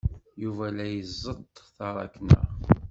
Yuba la iẓeṭṭ taṛakna.